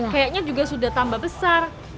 kayaknya juga sudah tambah besar